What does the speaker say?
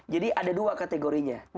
jadi ada dua kategorinya